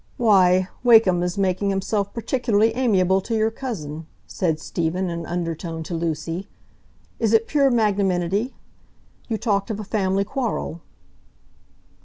"Why, Wakem is making himself particularly amiable to your cousin," said Stephen, in an undertone to Lucy; "is it pure magnanimity? You talked of a family quarrel."